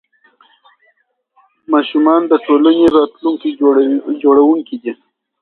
ماشومان د ټولنې راتلونکي جوړونکي دي.